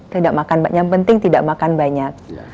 tidak makan yang penting tidak makan banyak